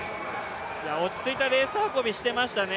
落ち着いたレース運びしてましたね。